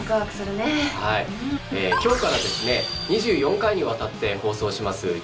今日からですね２４回にわたって放送します